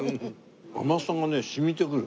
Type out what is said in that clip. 甘さがね染みてくる。